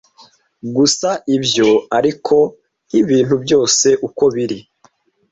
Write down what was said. Gusa ibyo, ariko nkibintu byose uko biri